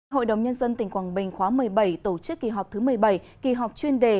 hội đồng nhân dân tỉnh quảng bình khóa một mươi bảy tổ chức kỳ họp thứ một mươi bảy kỳ họp chuyên đề